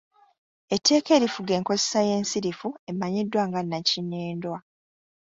Etteeka erifuga enkozesa y’ensirifu emanyiddwa nga “nnakinnyindwa”.